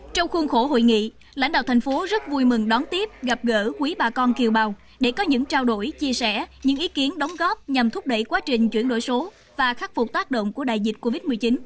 trong khuôn khổ hội nghị lãnh đạo thành phố rất vui mừng đón tiếp gặp gỡ quý bà con kiều bào để có những trao đổi chia sẻ những ý kiến đóng góp nhằm thúc đẩy quá trình chuyển đổi số và khắc phục tác động của đại dịch covid một mươi chín